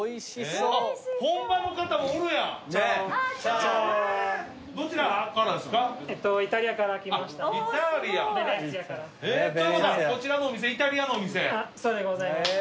そうでございます。